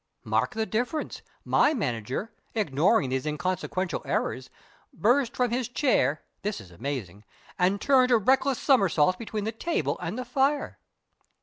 Mark the difference! My manager, ignoring these inconsequential errors, burst from his chair this is amazing! and turned a reckless somersault between the table and the fire.